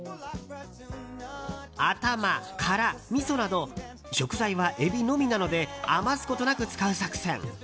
頭、殻、みそなど食材はエビのみなので余すことなく使う作戦。